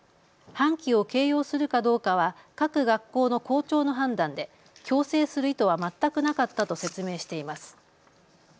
半旗を掲揚するかどうかは各学校の校長の判断で強制する意図は全くなかったと説明しています。